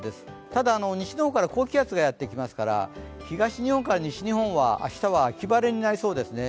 ただ、西の方から高気圧がやってきますから、東日本から西日本は、明日は秋晴れになりそうですね。